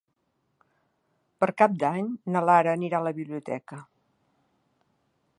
Per Cap d'Any na Lara anirà a la biblioteca.